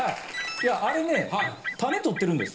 いやあれね種取ってるんです。